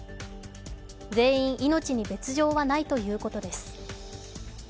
全員、命の別状はないということです